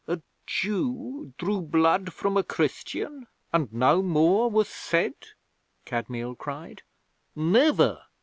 'A Jew drew blood from a Christian and no more was said?' Kadmiel cried. 'Never!